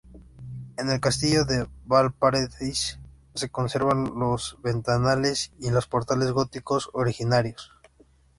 En el castillo de Vallparadís se conservan los ventanales y los portales góticos originarios.